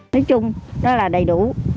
nói chung đó là đầy đủ